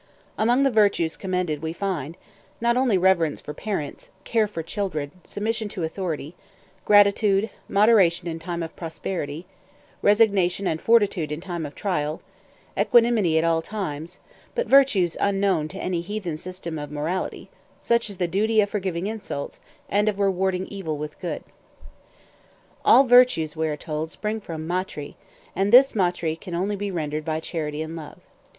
Among the virtues commended we find, not only reverence for parents, care for children, submission to authority, gratitude, moderation in time of prosperity, resignation and fortitude in time of trial, equanimity at all times, but virtues unknown to any heathen system of morality, such as the duty of forgiving insults, and of rewarding evil with good." All virtues, we are told, spring from maitrî, and this maitrî can only be rendered by charity and love.